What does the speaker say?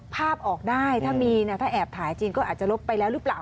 ภาพออกได้ถ้ามีนะถ้าแอบถ่ายจริงก็อาจจะลบไปแล้วหรือเปล่า